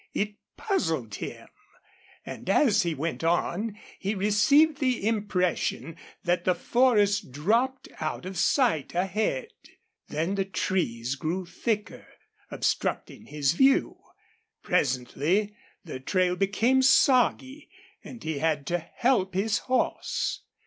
It puzzled him. And as he went on he received the impression that the forest dropped out of sight ahead. Then the trees grew thicker, obstructing his view. Presently the trail became soggy and he had to help his horse.